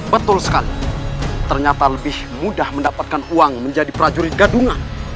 betul sekali ternyata lebih mudah mendapatkan uang menjadi prajurit gadungan